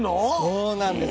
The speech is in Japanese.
そうなんです。